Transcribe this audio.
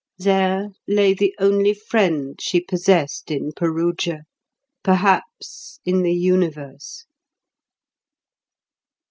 There lay the only friend she possessed in Perugia, perhaps in the universe.